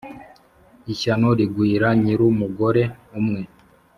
Ishyano rigwira nyirumugore umwe.